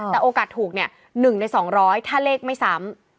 แต่โอกาสถูกเนี่ย๑ใน๒๐๐ถ้าเลขไม่ซ้ำ